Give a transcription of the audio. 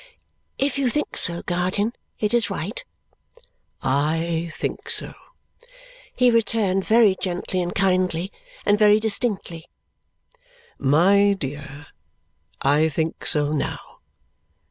"If you think so, guardian, it is right." "I think so," he returned very gently, and kindly, and very distinctly. "My dear, I think so now.